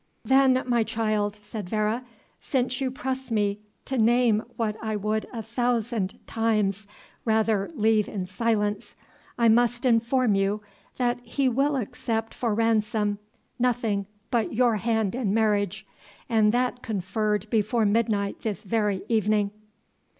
"Then, my child," said Vere, "since you press me to name what I would a thousand times rather leave in silence, I must inform you that he will accept for ransom nothing but your hand in marriage, and that conferred before midnight this very evening!"